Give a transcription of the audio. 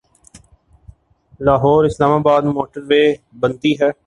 Lahore Islamabad motorway بنتی ہے۔